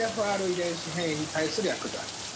ＲＯＳ１遺伝子変異に対する薬剤。